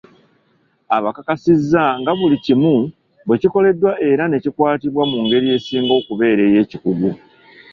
Abakakasiza nga buli kimu bwekikoleddwa era nekikwatibwa mu ngeri esinga okubeera ey'ekikugu.